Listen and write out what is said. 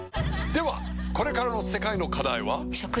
ではこれからの世界の課題は？